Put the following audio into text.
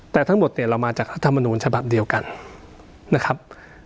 แต่ทั้งหมดเนี่ยเรามาจากรัฐมนูญฉบับเดียวกันนะครับ